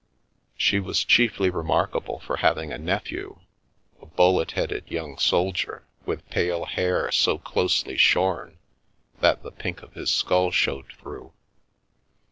She was chiefly remarkable for having a nephew — a bullet headed young soldier, with pale hair so closely shorn that the pink of his skull showed through.